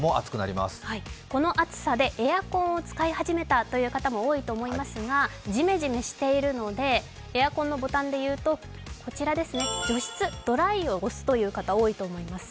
この暑さでエアコンを使い始めた方も多いと思いますがジメジメしているので、エアコンのボタンで言うと除湿、ドライを押すという方も多いと思います。